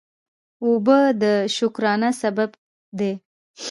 اوبه د شکرانه سبب دي.